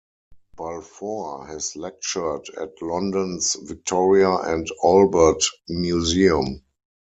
Balfour has lectured at London's Victoria and Albert Museum.